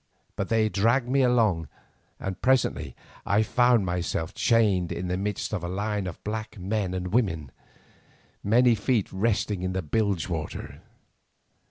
But they dragged me along and presently I found myself chained in the midst of a line of black men and women, many feet resting in the bilge water.